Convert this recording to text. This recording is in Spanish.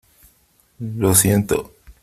lo siento .